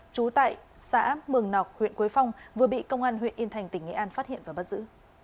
trú tại xã mường nọc huyện quế phong vừa bị công an huyện yên thành tỉnh nghệ an phát hiện và bắt giữ